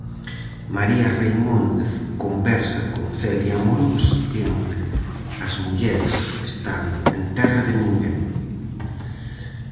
María Reimóndez Conversa con Celia Amorós en "As mulleres están en terra de ninguén".